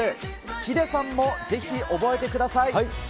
ヒデさんもぜひ覚えてください。